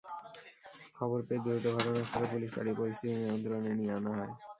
খবর পেয়ে দ্রুত ঘটনাস্থলে পুলিশ পাঠিয়ে পরিস্থিতি নিয়ন্ত্রণে নিয়ে আনা হয়।